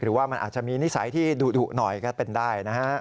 หรือว่ามันอาจจะมีนิสัยที่ดุดุหน่อยก็เป็นได้นะครับ